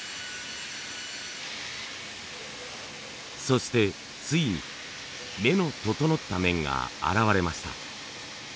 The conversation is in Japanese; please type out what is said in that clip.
そしてついに目の整った面が現れました。